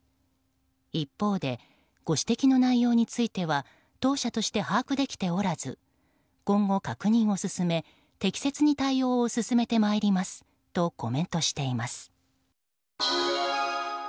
一方で、ご指摘の内容については当社として把握できておらず今後、確認を進め適切に対応を進めてまいりますとコメントしています。